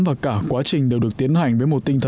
và cả quá trình đều được tiến hành với một tinh thần